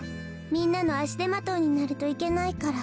みんなのあしでまといになるといけないから。